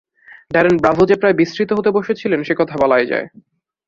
Darren Bravo যে প্রায় বিস্মৃত হতে বসেছিলেন, সে কথা বলাই যায়।